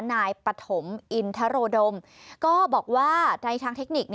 นายปฐมอินทรโรดมก็บอกว่าในทางเทคนิค